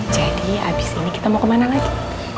abis ini kita mau kemana lagi